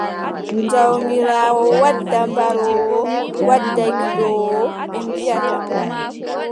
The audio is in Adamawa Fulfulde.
Jawmiraawo wadda baroowo, wadda gidoowo, ɓe mbiʼata.